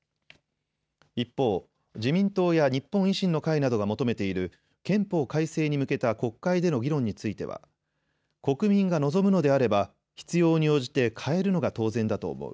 一方、自民党や日本維新の会などが求めている憲法改正に向けた国会での議論については国民が望むのであれば必要に応じて変えるのが当然だと思う。